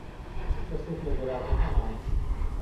کەسێک لە گەراجەکەمانە.